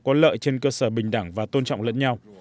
có lợi trên cơ sở bình đẳng và tôn trọng lẫn nhau